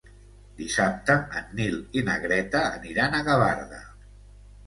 Dissabte en Nil i na Greta aniran a Gavarda.